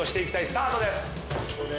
スタートです。